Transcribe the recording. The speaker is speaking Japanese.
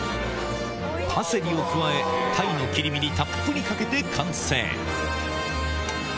パセリを加え、タイの切り身にたっぷりかけて完成。